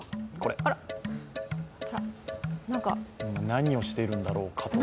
何をしているんだろうかと。